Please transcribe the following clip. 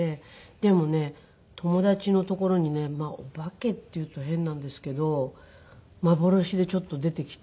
でもね友達のところにねまあお化けっていうと変なんですけど幻でちょっと出てきて。